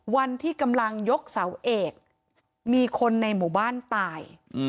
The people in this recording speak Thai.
วันที่กำลังยกเสาเอกมีคนในหมู่บ้านตาย